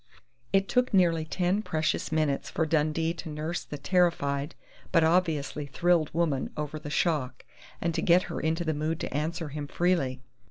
It took nearly ten precious minutes for Dundee to nurse the terrified but obviously thrilled woman over the shock, and to get her into the mood to answer him freely.